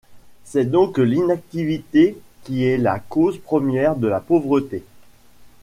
C'est donc l'inactivité qui est la cause première de la pauvreté.